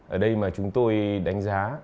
ở đây mà chúng tôi đánh giá